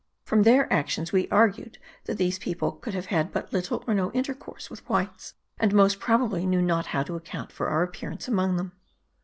From their actions we argued that these people could have had but little or no intercourse with whites ; and most probably knew not how to account for our appearance among them.